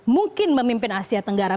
mungkin memimpin asia tenggara